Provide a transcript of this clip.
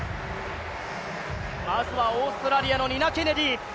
まずはオーストラリアのニナ・ケネディ。